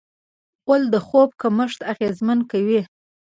غول د خوب کمښت اغېزمن کوي.